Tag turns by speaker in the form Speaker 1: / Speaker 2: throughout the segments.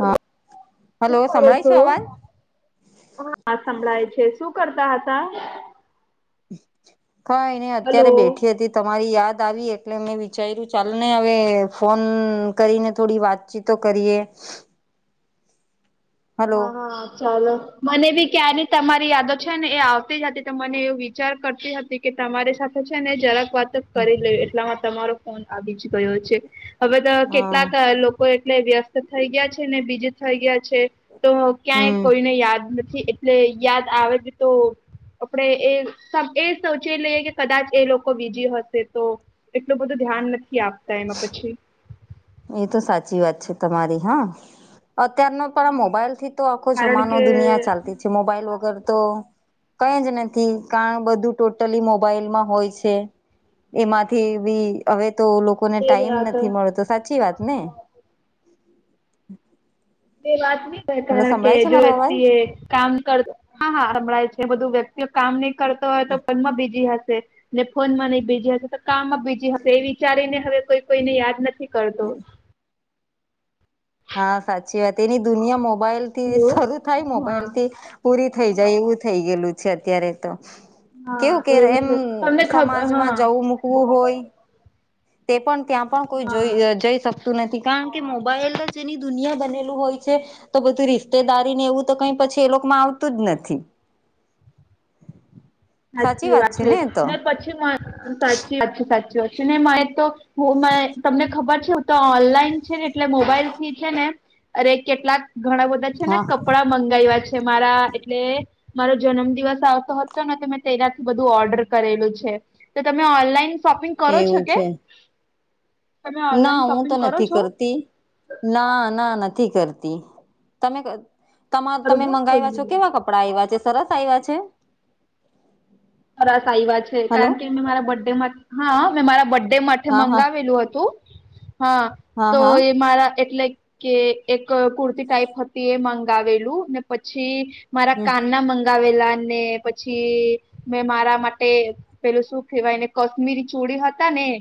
Speaker 1: હા હલો
Speaker 2: શું કરો
Speaker 1: સંભળાય છે
Speaker 2: છો?
Speaker 1: અવાજ
Speaker 2: હા સંભળાય છે, શું કરતા હતા?
Speaker 1: કઈ નઈ અત્યારે
Speaker 2: હલો.
Speaker 1: બેઠી હતી. તમારી યાદ આવી એટલે મેં વિચાર્યું ચાલ ને હવે ફોન કરીને થોડી વાત ચીતો કરીએ. હલો
Speaker 2: હા હા ચાલો. મને બી ક્યાની તમારી યાદો છે ને એ આવતી જ હતી તો મને એવું વિચાર કરતી હતી કે તમારી સાથે છે ને જરાક વા તો કરી લે એટલામાં તમારો ફોન આવી જ ગયો છે હવે તો
Speaker 1: હા
Speaker 2: કેટલાક લોકોએ એટલે વ્યસ્ત થઈ ગયા છે ને બીજું થઈ ગયા છે તો ક્યાંય
Speaker 1: હમ
Speaker 2: કોઈને યાદ નથી એટલે યાદ આવે જ તો આપડે એ એ સોચી લઈએ કે કદાચ એ લોકો બીજી હશે તો એટલું બધું ધ્યાન નથી આપતા એમાં પછી.
Speaker 1: એ તો સાચી વાત છે તમારી હા. અત્યારનો પણ મોબાઈલ થી તો આખો
Speaker 2: કારણ
Speaker 1: જમાનો
Speaker 2: કે
Speaker 1: દુનિયા ચાલતી છે મોબાઈલ વગર તો કઈ જ નથી કારણ બધું ટોટલી મોબાઈલમાં હોય છે એમાંથી બી હવે તો લોકોને
Speaker 2: એ
Speaker 1: ટાઈમ
Speaker 2: તો
Speaker 1: નથી મળતો સાચી વાત ને?
Speaker 2: એ વાત નહી થ
Speaker 1: હલો
Speaker 2: કારણ કે
Speaker 1: સંભળાય છે
Speaker 2: જો
Speaker 1: મારો અવાજ
Speaker 2: એક્સી એ કામ કર હા હા હ્યમદાય છે બધું વ્યક્તિઓ કામ નહી કરતો હોય તો મનમાં બીજી હશે ને ફોનમાં નહી બીજી હશે તો કામમાં બીજી હશે એ વિચારીને હવે કોઈ કોઈને યાદ નથી કરતો.
Speaker 1: હા સાચી વાત એની દુનિયા મોબાઈલ થી
Speaker 2: હલો
Speaker 1: શરૂ થાય
Speaker 2: હા
Speaker 1: મોબાઈલ થી પૂરી થઈ જાય એવું થઈ ગયેલું છે અત્યારે તો.
Speaker 2: હા
Speaker 1: કેવું કેરે
Speaker 2: એવું
Speaker 1: એમ
Speaker 2: છે તમને ખબર
Speaker 1: સમાજમાં
Speaker 2: હા
Speaker 1: જવું મૂકવું હોય તે પણ ત્યાં પણ કોઈ જોઈ
Speaker 2: હા
Speaker 1: જઈ શક તુ નથી કારણ કે મોબાઈલ જ એની દુનિયા બનેલું હોય છે. તો બધું રિશ્તેદારીને એવું તો કંઈ પછી એ લોકમાં આવતું જ નથી.
Speaker 2: સાચી વાત છે. ને પછી મેં સાચી વાત છે સાચી વાત છે. ને મારે તો હું મેં તમને ખબર છે. હું તો ઓનલાઈન છેને એટલે મોબાઈલથી છેને અરે કેટલાંક ઘણા બધા છેને
Speaker 1: હા
Speaker 2: કપડા મંગાયવા છે. મારા એટલે મારો જન્મ દિવસ આવતો હતો ને એટલે તો મે તેનાથી બધું ઓર્ડર કરેલું છે તો તમે ઓનલાઈન શોપિંગ કરો છો
Speaker 1: એવું
Speaker 2: કે?
Speaker 1: છે
Speaker 2: તમે
Speaker 1: ના
Speaker 2: ઓનલાઈન
Speaker 1: મેં તો
Speaker 2: શોપિંગ કરો
Speaker 1: નથી
Speaker 2: છો
Speaker 1: કરતી. ના ના નથી કરતી. તમે કય તમા તમે
Speaker 2: કરવું
Speaker 1: મંગાયવા
Speaker 2: જોઈએ
Speaker 1: છો કેવા કપડાં? પડા આયવા છે? સરસ આયવા છે?
Speaker 2: સરસ આયવા છે.
Speaker 1: હલો
Speaker 2: કારણ કે, મેં મારા બડ્ડે માટ્ હા મેં મારા બર્થ ડે માટે
Speaker 1: હા હા
Speaker 2: મંગાવેલું હતું. હા
Speaker 1: હા
Speaker 2: તો
Speaker 1: હા
Speaker 2: એ મારા એટલે કે એક કુર્તી ટાઈપ હતી એ મગાવેલું ને પછી મારા
Speaker 1: હમ
Speaker 2: કાનના મં ગાવેલા ને પછી મેં મારા માટે પેલું શું કહેવાયને કશ્મીરી ચૂડી હતા ને એ.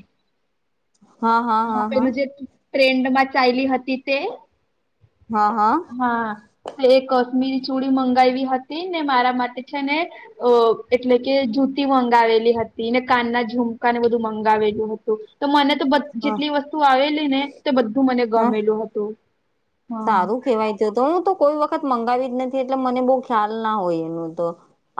Speaker 2: હા. પેલું જે ટ્રેન્ડમાં ચાયલી હતી તે?
Speaker 1: હા હા.
Speaker 2: હા એ કશ્મીરી ચૂડી મંગાયવી હતી ને મારા માટે છેને અ એટલે કે જૂતી મંગાવેલી હતી ને કાનના ઝુમકાને બધું મંગાવેલું હતું. તો મને તો બધ
Speaker 1: હા
Speaker 2: જેટલી વસ્તુ આવેલી ને તે બધું મને
Speaker 1: હ હ
Speaker 2: ગમેલું હતું. હા
Speaker 1: સારું કેવાય તે. તો હું તો કોઈ વખત મંગાવી જ નથી એટલે મને બહુ ખ્યાલ ના હોય એનું તો.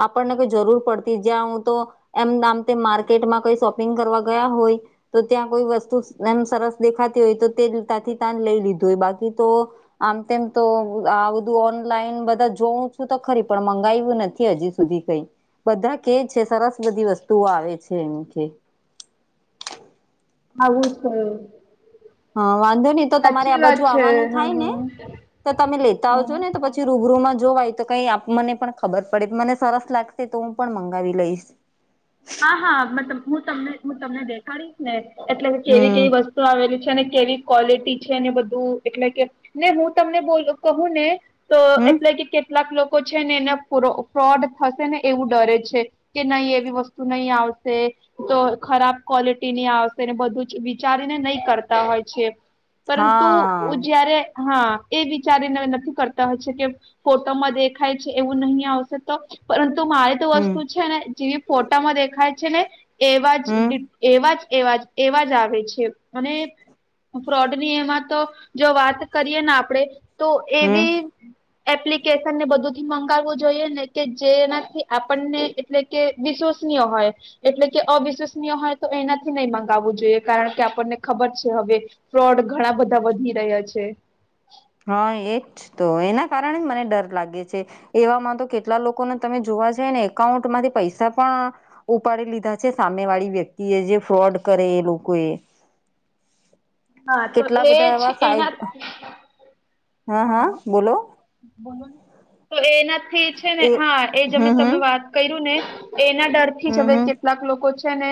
Speaker 1: આપણને કોઈ જરૂર પડતી જ્યાં હું તો એમ આમતેમ માર્કેટમાં કઈ શોપિંગ કરવા ગયા હોય તો ત્યાં કોઈ વસ્તુ એમ સરસ દેખાતી હોય તો તે તાંથી તાંજ લઈ લીધું હોય બાકી તો આમ તેમ તો આ બધું ઓનલાઈન બધા જોઉં છું તો ખરી પણ મંગાયવુ નથી હજી સુધી. સુધી કંઈ બધા કેય છે સરસ બધી વસ્તુઓ આવે છે એમ કેય.
Speaker 2: આવું છે.
Speaker 1: હા વાંધો નહી. તો તમારે આ બાજુ આવવાનું
Speaker 2: હ
Speaker 1: થાય ને તો તમે લેતા
Speaker 2: હ
Speaker 1: આવજો નેતો પછી રૂબરૂમાં જોવાય તો કંઈ આપ મને પણ ખબર પડે મને સરસ લાગશે તો હું પણ મંગાવી લઈશ.
Speaker 2: હા હા મ હું તમને હું તમને દેખાડીશ ને એટલે કેવી
Speaker 1: હમ
Speaker 2: કેવી વસ્તુ આવેલું છે અને કેવી ક્વોલિટી છેને બધું એટલે કે ને હું તમને બોલુ કહું ને તો
Speaker 1: હમ
Speaker 2: એટલે કે કેટલાક લોકો છે મને એના પુરો ફોડ થશે ને એવું ડરે છે કે નહી એવી વસ્તુ તુ નહી આવશે. તો ખરાબ ક્વોલિટીની આવશે ને બધું જ વિચારીને નહી કરતા હોય છે. પરંતુ
Speaker 1: હા
Speaker 2: જયારે હા એ વિચારીને નથી કરતા હોય છે કે ફોટોમાં દેખાય છે એવું નહીં આવશે તો પરંતુ મારે
Speaker 1: હમ
Speaker 2: વસ્તુ છેને જેવી ફોટામાં દેખાય છેને એવા જ
Speaker 1: હમ
Speaker 2: ડી એવા જ એવા જ એવા જ આવે છે અને ફ્રોડની એમાં તો જો વાત કરીએને આપણેે તો
Speaker 1: હમ
Speaker 2: એબી એપ્લિકેશનને બધુંથી મંગાવવું જોઈએને કે જેનાથી આપણને એટલે કે વિશ હોય. એટલે કે અવિશ્વસનીય હોય તો એનાથી નય મગાવું જોઈએ. કારણ કે આપણને ખબર છે હવે ફ્રોડ ઘણા બધા વધી રહ્યા છે.
Speaker 1: હા એજ તો. એના કારણે જ મને ડર લાગે છે. એવામાં તો કેટલા લોકોને તમે જોવા જાયને એકાઉન્ટ માંથી પૈસા પણ ઉપાડી લીધા છે સામે વાળી વ્યક્તિ એ જે ફ્રોડ કરે એ લોકોએ. [inaudible]
Speaker 2: હા તો એ
Speaker 1: બધા
Speaker 2: છે
Speaker 1: એવા સાહેબ
Speaker 2: એના.
Speaker 1: હા હા બોલો.
Speaker 2: બોલો ને તો એનાથી છે ને
Speaker 1: એ
Speaker 2: હા એ જમે
Speaker 1: હમ
Speaker 2: તમે
Speaker 1: હમ
Speaker 2: વાત કર્યું ને એના ડર થી જ
Speaker 1: હમ
Speaker 2: હવે
Speaker 1: હમ
Speaker 2: કેટલાક લોકો છે. ને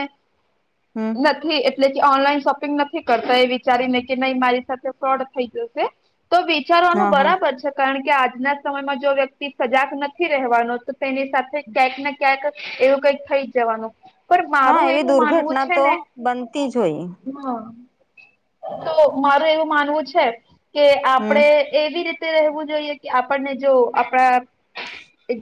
Speaker 1: હમ
Speaker 2: નથી એટલે કે ઓનલાઈન શોપિંગ નથી કરતા એ વિચારીને કે નહી મારી સાથે ફ્રોડ થઈ જશે તો વિારનું
Speaker 1: હા હા
Speaker 2: બરાબર છે. કારણ કે આજના સમયમાં જો વ્યક્તિ સજાગ નથી રહેવાનો તો તેની સાથે ક્યાંક ક્યાંક એવું કઈક થઈ જવાનું પર
Speaker 1: હા
Speaker 2: મારું
Speaker 1: એવી
Speaker 2: એવું માનવું
Speaker 1: દુર્ઘટના
Speaker 2: છે
Speaker 1: તો
Speaker 2: ને
Speaker 1: બનતી જ હોય
Speaker 2: હા તો મારું એવું માનવું છે કે
Speaker 1: હમ
Speaker 2: આપડે એવી રીતે રહેવું જોઈએ કે આપણને જો આપણા.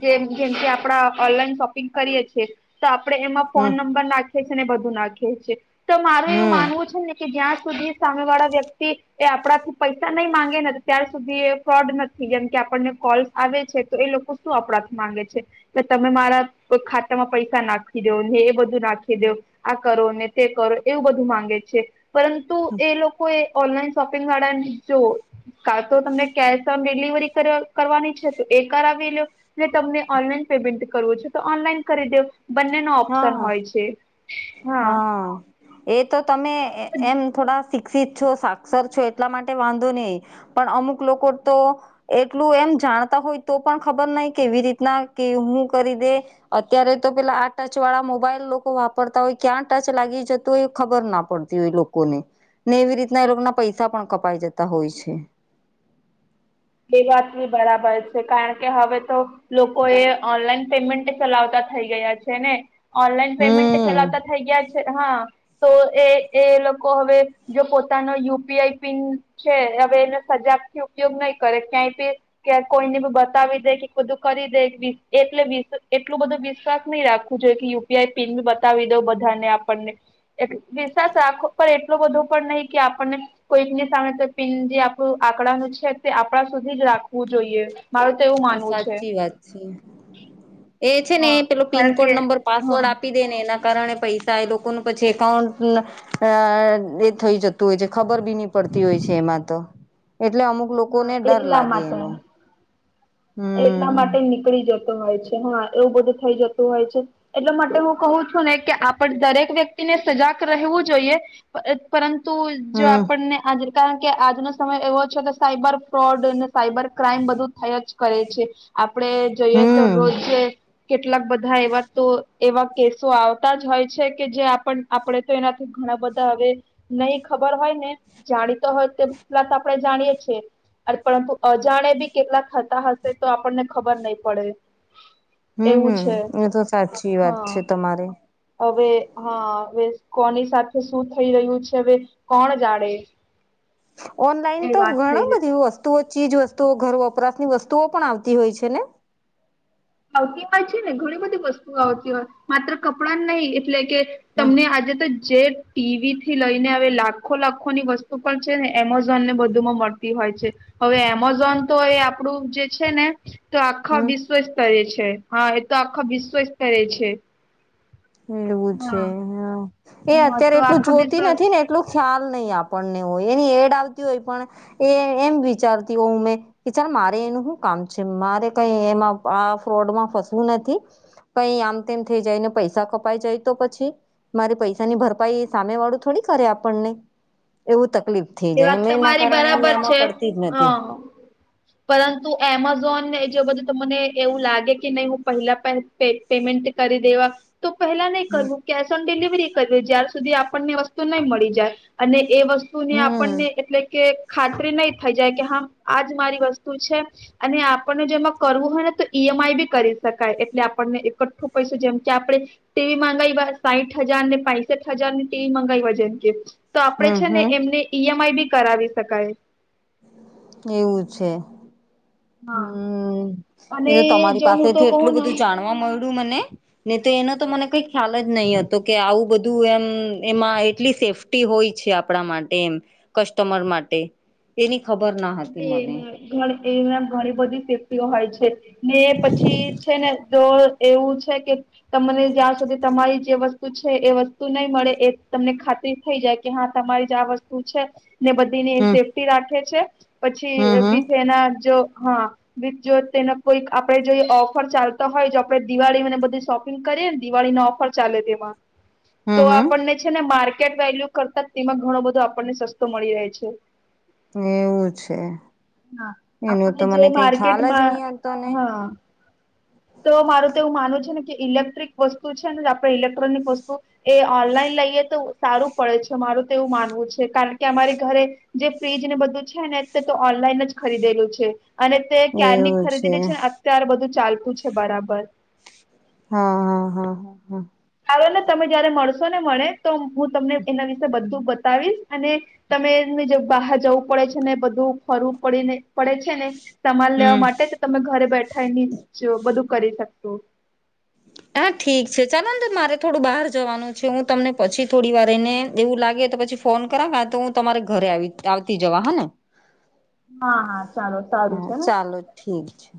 Speaker 2: જેમ જેમકે આપડા ઓનલાઈન શોપિંગ કરીએ છએ તો આપણે એમાં
Speaker 1: હમ
Speaker 2: ફોન નંબર નાખીએ છીએ અનેને બધું નાખીએ છીએ તે મારા
Speaker 1: હમ.
Speaker 2: છુંને કે ગ્યાસ સુ દશ સામે વાળા વ્યક્તિ એ આપણાથી પૈસા નહીં માંગે ને ત્યાર સુધી એ ફ્રોડ નથી જેમ કે આપણને કોલ્ આવે છે તો એ લોકો શું અપરાધ માંગે છે. કે તમે મારા કો ખાતામાં પૈસા નાખી દો ને એ બધું નાખી દો આ કરો ને તે કરો એવું બધું માંગે છે પરંતુ એ લોકો એ ઓનલાઈન શોપિંગ વાડાને જો કાલ તો તમને કેશ ઓન ડિલિવરી કરવાની છે તો એ કરાવ લો તમને ઓનલાઈન પેમેન્ટ કરવું છે તો ઓનલાઈન કરી દેવ બંને ન ઓપ્શન
Speaker 1: હા
Speaker 2: હોય છે હા
Speaker 1: એ તો તમે એમ થોડા શિક્ષિત છો સાક્ષર છો એટલા માટે વાંધો નહી. પણ અમુક લોકો તો એટલું એમ જાણતા હોય તો પણ ખબર નહ કેવી રીતના કે હું કરી દે અત્યારે તો પેલા આ ટચ વાળા મોબાઈલ લોકો વાપરતા હોય ક્યાં ટચ લાગી જતું હોય એ ખબર ના પડતી હોય લોકોને ને એવી રીતના એ લોકોના પૈસા પણ કપાઈ જતા હોય છે.
Speaker 2: એ વાત બી બરાબર છે કારણ કે હવે તો લોકો એ ઓનલાઈન પેમેન્ટ ચલાવતા થઈ ગયા છે ને ઓનલાઈન પેમેન્ટ
Speaker 1: હમ
Speaker 2: ચલાવતા થઈ ગયા છે હા તો એ એ લોકો હવે જો પોતાનો યુપીઆઈ પિન છે હવે એને સજાગ થી ઉપયોગ નહી કરે ક્યાંયી કે કોઈને બું બતાવી દે કે બધું કરી દે એટલે વિ એટલું બધું વિશ્વાસ નહી રાખ જો કે યુપીઆઈ પિન બી બતાવી દઉં બધાને આપણને વિશ્વાસ આખો પર એટલોું બધું પણ નહી કે આપણને કોઈક ની સામે તો પિં જે આપણું આંકડાનું છે તે આપણા સુધી જ રાખવું જોઈએ મારું તો એવું
Speaker 1: હા
Speaker 2: માનવું છે.
Speaker 1: સાચી વાત છે. એ છે ને
Speaker 2: હા
Speaker 1: એ પેલો
Speaker 2: કારણ
Speaker 1: પિનકોડ
Speaker 2: કે
Speaker 1: નંબર
Speaker 2: હા
Speaker 1: પાસવર્ડ આપી. ે ને એના કારણે પૈસા એ લોકોનું પછી એકાઉન્ટ અ એ થઈ જતું હોય છે ખબર બી નહી પડતી હોય છે એમાં તો એટલે અમુક લોકો
Speaker 2: હા
Speaker 1: ને ડર
Speaker 2: એટલા
Speaker 1: લાગે
Speaker 2: માટે
Speaker 1: એનો
Speaker 2: એટલા
Speaker 1: હમ
Speaker 2: માટે નીકળી જતો હોય છે હા એવું બધું થઈ જતું હોય છે. એટલે માટે હું કહું છું ને કે આપડ દરેક વ્યક્તિને સજાગ રહેવું જોઈએ પરંતુ જો
Speaker 1: હમ
Speaker 2: આપણને આજ કારણ કે આજનો સમય એવો છે કે સાયબર ફ્રોડ અને સાઈબર ક્રાઈમ બધું થય જ કરે છે આપડે જોઈએ તો
Speaker 1: હમ
Speaker 2: રોજે. કેટલાક બધા એવા તો. એવા કેસો આવતા જ હોય છે કે જે આપણે તો એનાથી ઘણા બધા હવે નહી ખબર હોય ને જાણીતો હોય તેલા આપડણે જાણીએે છીએ પરંતુ અજાણે બી કેટલાતા હશે તો આપણને ખબર નહી પડે
Speaker 1: હમ
Speaker 2: એવું
Speaker 1: હમ
Speaker 2: છે
Speaker 1: એ તો સાચી વાત
Speaker 2: હા
Speaker 1: છે તમારી
Speaker 2: હવે હા હવે કોની સાથે શું થઈ રહ્યું છે હવે કોણ જાડે
Speaker 1: ઓનલાઈન તો
Speaker 2: થઈ
Speaker 1: ઘણ
Speaker 2: છે
Speaker 1: બધી વસ્તુઓ ચીજ વસ્તુઓ ઘર વપરાશની વસ્તુઓ પણ આવતી હોય છે ને
Speaker 2: આવતી હોય છે ને ઘણી બધી વસ્તુ આવતી હોય માત્ર કપડાં નહિ એટલે કે
Speaker 1: હ
Speaker 2: તમને આજે તો જે ટીવી થી લઈને હવે લાખો લાખો ની વસ્તુ પણ છે ને એમેઝોન ને બધુંમાં મળતી હોય છે હવે એમેઝોન તો એ આપડું જે છે ને તો આખા
Speaker 1: હમ
Speaker 2: વિશ્વ સ્તરે છે હા એ તો આખા વિશ્વ સ્તરે છે
Speaker 1: એવું છે
Speaker 2: હા
Speaker 1: હ એ
Speaker 2: હા તો
Speaker 1: અત્યારે એટલું
Speaker 2: આખા વિશ્વ
Speaker 1: જોતી નથી ને એટલો ખ્યાલ નહી આપણને હોય એની એડ આવતી હોય પણ એ એમ વિચારતી હોયું મેં કે ચાલ મારે એનું શું કામ છે મારે કઈ એમાં આ ફ્રોડમાં ફસવું નથી પ આમતે થઈ જાય ને પૈસા કપાઈ જાય તો પછી મારી પૈસા ની ભરપાઈ સામે વાળું થોડી કરે આપણની એવું તકલીફ
Speaker 2: એ વાત તમારી
Speaker 1: કારણે હું
Speaker 2: બરાબર
Speaker 1: એમાં
Speaker 2: છે
Speaker 1: પડતી જ
Speaker 2: હા
Speaker 1: નથી
Speaker 2: પરંતુ એમેઝોનને જે બધું મને એવું લાગે કે નહી હું પહેલા પેમેન્ટ કરી દેવા તો પહેલા નહી કરવું કેશ ઓન ડિલિવરી કરવી જ્યાં સુધી આપણને વસ્તુ નહી મળી જાય અને એ વસ્તુ ને
Speaker 1: હમ
Speaker 2: આપણને એટલે કે ખાતરી નહી થઈ જાય કે હા આજ મારી વસ્તુ છે અને આપણને જેમાં કરવું હોય ને તો ઈ એમ આઈ બી કરી શકાય એટલે આપણને એકઠું પૈસ જેમ કે આપણે તેવી મગાવી સાઈઠ હજાર ને પાસઠ હજાર ને તેવી મગાવાઈ વ જેન કે તો આપણે
Speaker 1: હમ
Speaker 2: છે ને
Speaker 1: હમ
Speaker 2: એમને ઈએમ આઈ બી કરાવી શકાય
Speaker 1: એવું છે
Speaker 2: હા
Speaker 1: હમ એ તો
Speaker 2: અને
Speaker 1: તમારી
Speaker 2: જો હું તો
Speaker 1: પાસેથી એટલું
Speaker 2: કહું
Speaker 1: બધું
Speaker 2: ને
Speaker 1: જાણવા મળ્યું મને નહી તો એનો તો મને કઈ ખ્યાલ જ નહી હતો કે આવું બધું એમ એમાં એટલી સેફ્ટ હોય છે આપણા માટે એમ કસ્ટમર માટે એની ખબર ના હતી મને
Speaker 2: ઘ એમ ઘણી બધી સેફ્ટીઓ હોય છે ને પછી છે ને તો એવું છે કે તમને જ્યાં સુધી તમારી જે વસ્તુ એ વસ્તુ નહી મળે એ તમને ખાતરી થઈ જાય કે હા તમારી જ આ વસ્તુ છે ને બધ
Speaker 1: હમ
Speaker 2: સેફ્ટી રાખે છે પછી
Speaker 1: હમ હમ
Speaker 2: વિથ એના જો હા જો તેનો કોઈક આપડે જો ઓફર ચાલતો હોય જો આપડે દિવાળી મને બધી શોપિંગ કરીએ ને દિળીનો ઓફર ચાલે તેમાં તો
Speaker 1: હમ હમ
Speaker 2: આપણને છે ને માર્કેટ વેલ્યુ કરતા તેમાં ઘણો બધો આપણને સસ્તો મળી રહે છે
Speaker 1: એવું છે
Speaker 2: હા
Speaker 1: એનું
Speaker 2: આપણે
Speaker 1: તો
Speaker 2: જે
Speaker 1: મને કઈ ખ્યાલ જ
Speaker 2: માર્કેટમાં
Speaker 1: નહી હતો ને
Speaker 2: હા તો મારું તો એવું માનવું છે ને કે ઇલેક્ટ્રિક વસ્તુ છે ને આપડણે ઇલેક્ટ્રોનિક વસ્તુ એ ઓનલાઈન લઈએ તો સારું પડે છે મારું તેવું માનવું છે કારણ કે અમારી ઘરે જે ફ્રીજ ને બધું છે ને તે તો ઓનલાઈન જ ખરીદેલું છે અને તે કકયાંર ની ખરીદી છે ને અત્યાર બધું ચાલતું છે બરાબર
Speaker 1: હા હા હા હા હા
Speaker 2: હારું ને તમે જયારે મળશો ને મળે તો હું તમને એના વિશે બધું બતાવીશ અને તમે જે બહાર જવું પડે છે ને બધું ફરવું પડી ને પડે છે ને સમાન લેવા
Speaker 1: હમ
Speaker 2: માટે જ તમે ઘરે બેઠા એની બધું કરી શકશો.
Speaker 1: હા ઠીક છે ચાલો નેંદર મારે થોડું બહાર જવાનું છે હું તમને પછી થોડી વાર એને એવું લાગે તો પછી ફોન કરા તો હું તમારે ઘરે આવી આવતી જવા, હાને?
Speaker 2: હા હા ચાલો સારું
Speaker 1: હા
Speaker 2: છે ને.
Speaker 1: ચાલો ઠીક છે